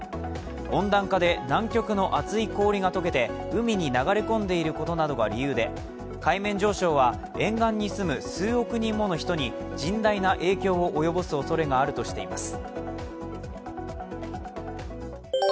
温暖化で南極の厚い氷が解けて海に流れ込んでいることなどが理由で海面上昇は沿岸に住む数億人もの人に甚大な影響を及ぼすおそれがあるとしています。